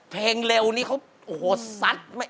เพลงเร็วนี้เขาโหดสัด